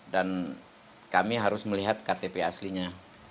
dan kami harus melihat ktp aslinya